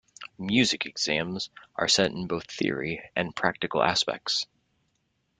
Music exams are set in both theory and practical aspects.